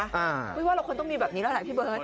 ไม่ว่าเราควรต้องมีแบบนี้แล้วแหละพี่เบิร์ต